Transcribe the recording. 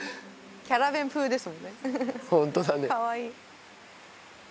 キャラ弁風ですもんねかわいい。